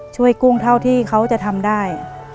กุ้งเท่าที่เขาจะทำได้